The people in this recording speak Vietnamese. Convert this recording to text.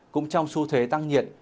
cũng trong su thế tăng nhiệt